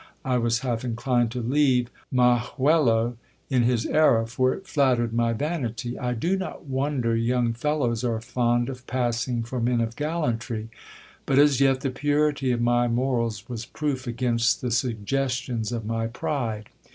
I was half inclined to leave Majuelo in his error ; for it flattered my vanity. I do not wonder young fellows are fond of passing for men of gallantry. But as yet the purity of my morals was proof against the suggestions of my pride.